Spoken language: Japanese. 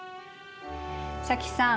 早紀さん